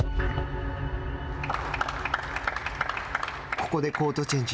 ここでコートチェンジ。